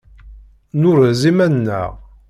Nurez iman-nneɣ.